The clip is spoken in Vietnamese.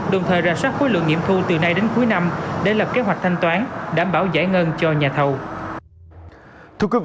đồng thời ra soát khối lượng nghiệm thu từ nay đến cuối năm để lập kế hoạch thanh toán đảm bảo giải ngân cho nhà thầu